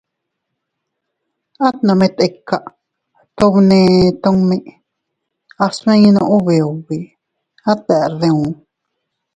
At nome tika tun neʼe tummi, a sminoo ubi ubi, at deʼer diu.